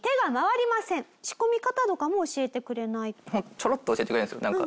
ちょろっと教えてくれるんですよ。